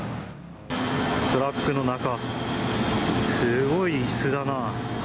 トラックの中、すごいいすだな。